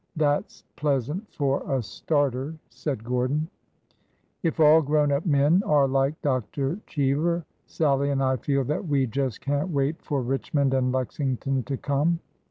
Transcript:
That 's pleasant for a starter! " said Gordon.] If all grown up men are like Dr. Cheever, Sallie and I feel that we just can't wait for Richmond and Lexington to come.